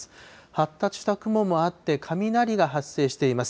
発達した雲もあって、雷が発生しています。